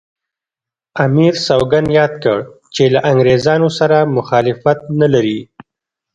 امیر سوګند یاد کړ چې له انګریزانو سره مخالفت نه لري.